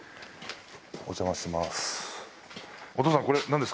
お邪魔します。